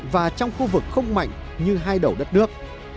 và trong khu vực không mạnh như hai đầu đất nước